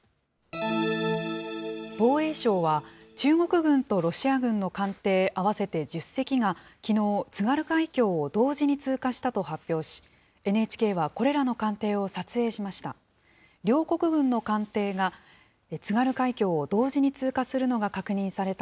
防衛省は中国軍とロシア軍の艦艇合わせて１０隻が、きのう、津軽海峡を同時に通過したと発表し、ＮＨＫはこれらの艦艇を撮影しました。